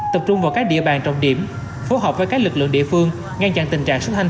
tập trung vào các địa bàn trọng điểm phối hợp với các lực lượng địa phương ngăn chặn tình trạng sức thanh